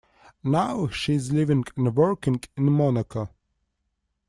Now she is living and working in Monaco.